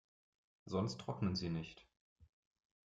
Sonst trocknen sie nicht.